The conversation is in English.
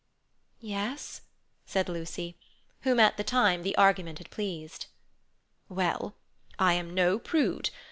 "Yes," said Lucy, whom at the time the argument had pleased. "Well, I am no prude.